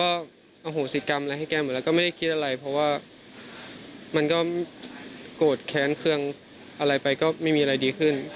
ก็อโหสิกรรมอะไรให้แกหมดแล้วก็ไม่ได้คิดอะไรเพราะว่ามันก็โกรธแค้นเครื่องอะไรไปก็ไม่มีอะไรดีขึ้น